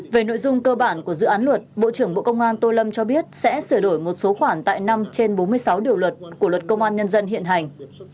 về nội dung cơ bản của dự án luật bộ trưởng bộ công an tô lâm cho biết sẽ sửa đổi một số khoản tại năm trên bốn mươi sáu điều luật của luật công an nhân dân hiện hành